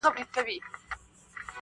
کتابونو کي راغلې دا کيسه ده،